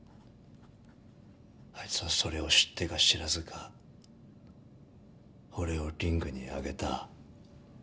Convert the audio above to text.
あいつはそれを知ってか知らずか俺をリングに上げた。